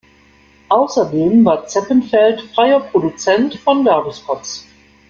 Außerdem war Zeppenfeld freier Produzent von Werbespots.